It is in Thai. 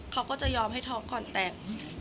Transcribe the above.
เขาก็จะยอมให้ทอคคอนแตก